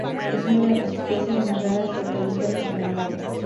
Es una de las especies más raras de pelícanos del mundo.